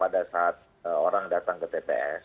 pertama kita menghidupkan orang yang datang ke tps